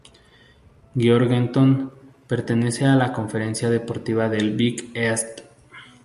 Georgetown pertenece a la conferencia deportiva del Big East.